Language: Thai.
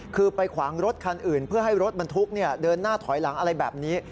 คือไปขวางรถคันอื่นเพื่อให้รถบรรทุกเดินหน้าถอยหลังอะไรแบบนี้